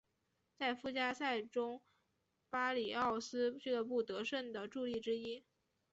在附加赛中巴里奥斯俱乐部得胜的助力之一。